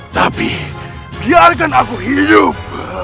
tapi biarkan aku hidup